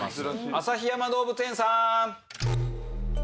旭山動物園さん！